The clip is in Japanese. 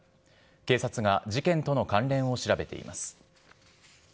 警察が事件との関連を調べています。